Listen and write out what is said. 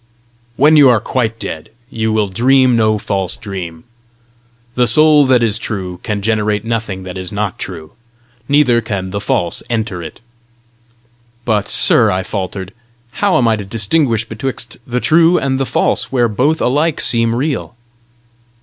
"When you are quite dead, you will dream no false dream. The soul that is true can generate nothing that is not true, neither can the false enter it." "But, sir," I faltered, "how am I to distinguish betwixt the true and the false where both alike seem real?"